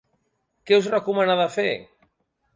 Què us recomana de fer?